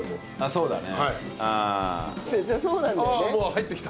そうだね。